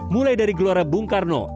mulai dari gelora bung karno